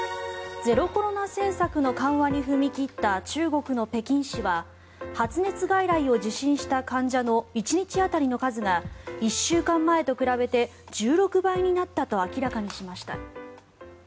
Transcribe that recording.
ゼロコロナ政策の緩和に踏み切った中国の北京市は発熱外来を受診した患者の１日当たりの数が１週間前と比べて１６倍になったと明らかにしました。